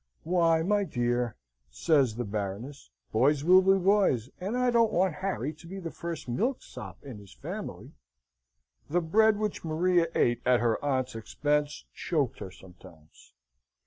"Why, my dear," says the Baroness, "boys will be boys, and I don't want Harry to be the first milksop in his family!" The bread which Maria ate at her aunt's expense choked her sometimes.